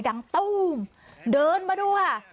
ดังตู้มเดินมาด้วย